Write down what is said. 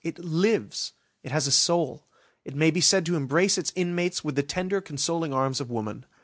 It lives! It has a soul. It may be said to embrace its inmates with the tender, consoling arms of woman.